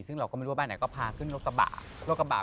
ซึ่งเราก็ไม่รู้ว่าบ้านไหนก็พาขึ้นโรคบาป